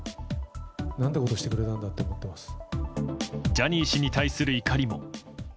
ジャニー氏に対する怒りも。